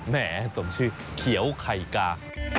แหมสมชื่อเขียวไข่กา